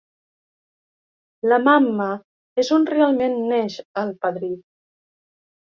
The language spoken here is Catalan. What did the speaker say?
"La Mamma" és on realment neix "El padrí".